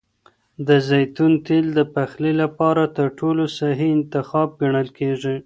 د زیتون تېل د پخلي لپاره تر ټولو صحي انتخاب ګڼل کېږي.